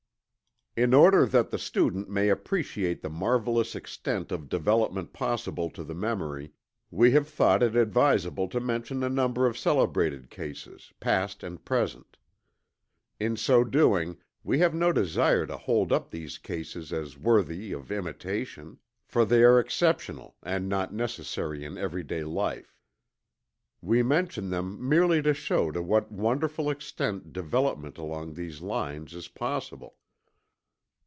In order that the student may appreciate the marvelous extent of development possible to the memory, we have thought it advisable to mention a number of celebrated cases, past and present. In so doing we have no desire to hold up these cases as worthy of imitation, for they are exceptional and not necessary in every day life. We mention them merely to show to what wonderful extent development along these lines is possible.